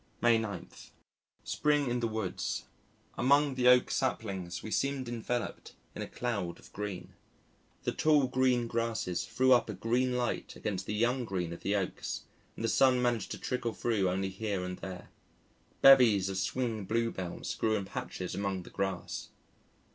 May 9. Spring in the Woods Among the Oak Saplings we seemed enveloped in a cloud of green. The tall green grasses threw up a green light against the young green of the Oaks, and the sun managed to trickle through only here and there. Bevies of swinging bluebells grew in patches among the grass.